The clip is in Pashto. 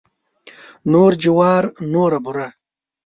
نور جوار نوره بوره.